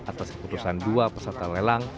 atas keputusan dua peserta lelang